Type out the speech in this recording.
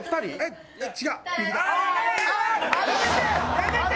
やめて！